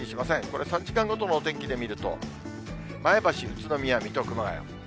これ、３時間ごとのお天気で見ると、前橋、宇都宮、水戸、熊谷。